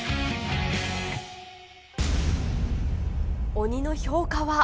鬼の評価は。